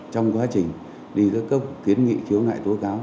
trong quá trình đi cấp cấp thiến nghị khiếu nại tố cáo